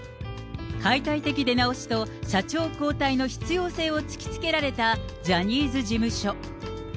解体的出直しと社長交代の必要性を突きつけられたジャニーズ事務所。